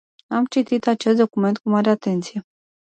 Am citit acest document cu mare atenție.